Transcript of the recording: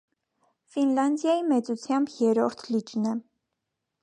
Ֆինլանդիայի մեծությամբ երրորդ լիճն է։